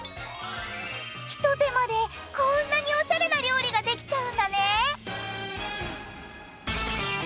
ひと手間でこんなにおしゃれな料理ができちゃうんだね！